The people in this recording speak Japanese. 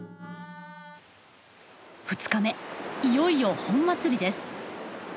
２日目いよいよ本祭りです。